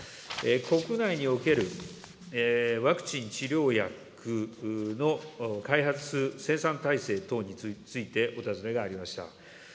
国内におけるワクチン、治療薬の開発・生産体制等についてお尋ねがありました。